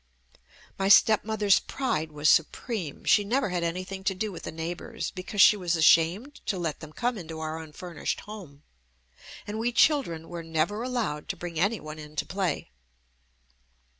i My step mother's pride was supreme. She never had anything to do with the neighbors because she was ashamed to let them come into our unfurnished home, and we children were never allowed to bring any one in to play.